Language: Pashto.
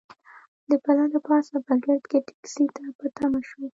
د پله د پاسه په ګرد کې ټکسي ته په تمه شوو.